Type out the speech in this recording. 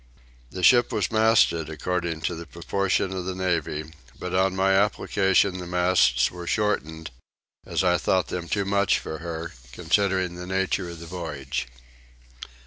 The ship was masted according to the proportion of the navy; but on my application the masts were shortened, as I thought them too much for her, considering the nature of the voyage.